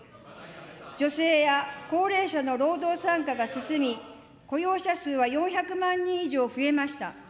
女性や高齢者の労働参加が進み、雇用者数は４００万人以上増えました。